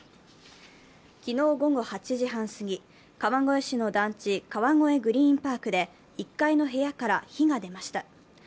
昨日午後８時半過ぎ、川越市の団地川越グリーンパークで１階の部屋から火が出ました。